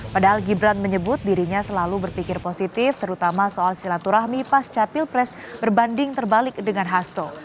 padahal gibran menyebut dirinya selalu berpikir positif terutama soal silaturahmi pasca pilpres berbanding terbalik dengan hasto